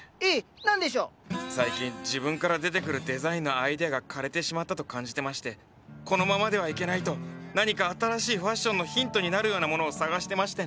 最近自分から出てくるデザインのアイデアが枯れてしまったと感じてましてこのままではいけないと何か新しいファッションのヒントになるようなものを探してましてね。